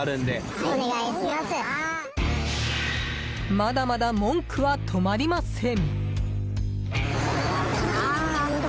まだまだ文句は止まりません。